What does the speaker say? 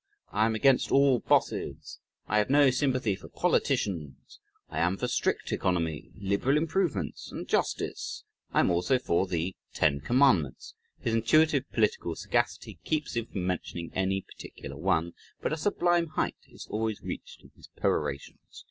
I am against all bosses. I have no sympathy for politicians. I am for strict economy, liberal improvements and justice! I am also for the ten commandments" (his intuitive political sagacity keeps him from mentioning any particular one). But a sublime height is always reached in his perorations.